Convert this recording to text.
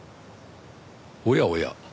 おやおや。